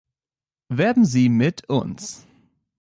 Werben Sie mit uns!